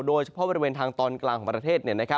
โดยเฉพาะบริเวณทางตอนกลางของประเทศ